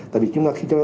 tại vì chúng ta